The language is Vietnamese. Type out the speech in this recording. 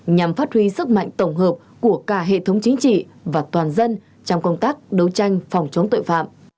nhằm phát huy sức mạnh tổng hợp của cả hệ thống chính trị và toàn dân trong công tác đấu tranh phòng chống tội phạm